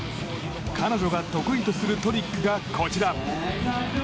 彼女が得意とするトリックがこちら。